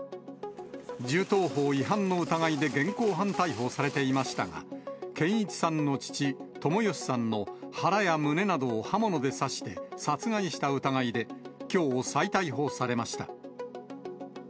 銃刀法違反の疑いで現行犯逮捕されていましたが、健一さんの父、友義さんの腹や胸などを刃物で刺して、殺害した疑いで、きょう、再逮捕されました。